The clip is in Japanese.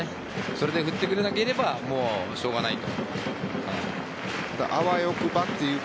それで振ってくれなければしょうがないという。